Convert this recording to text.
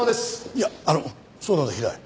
いやあのそうなんだ平井。